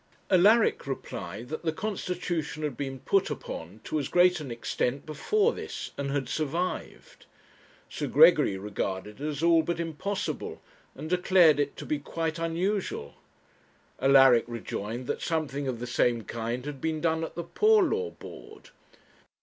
Alaric replied that the constitution had been put upon to as great an extent before this, and had survived. Sir Gregory regarded it as all but impossible, and declared it to be quite unusual. Alaric rejoined that something of the same kind had been done at the Poor Law Board.